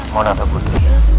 mona atau putri